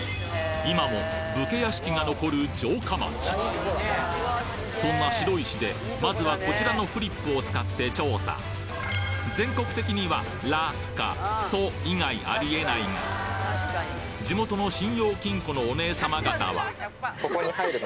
今も武家屋敷が残る城下町そんな白石でまずはこちらのフリップを使って調査全国的には「ラ」か「そ」以外ありえないが地元のえ？